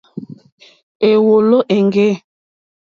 Èwòló éŋɡê.